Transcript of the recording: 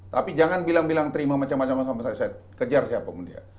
tapi jangan bilang bilang terima macam macam sama saya kejar siapapun dia